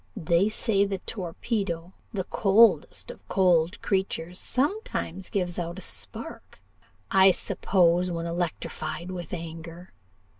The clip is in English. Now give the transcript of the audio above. They say the torpedo, the coldest of cold creatures, sometimes gives out a spark I suppose when electrified with anger.